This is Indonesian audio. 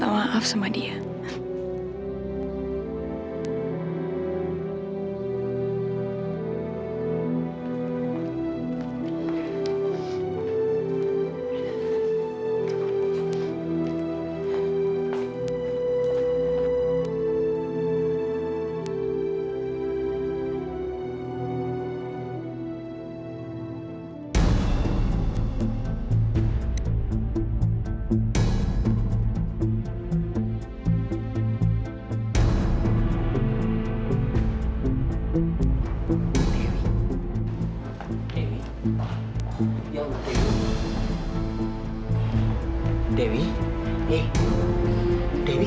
tinggalkan aja aku sendiri